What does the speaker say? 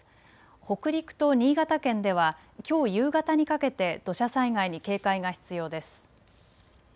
北陸と新潟県ではきょう夕方にかけて土砂災害に警戒が必要です。